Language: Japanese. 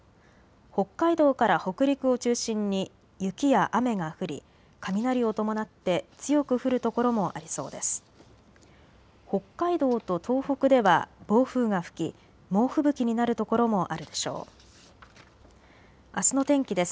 北海道から北陸を中心に雪や雨が降り雷を伴って強く降る所もありそうです。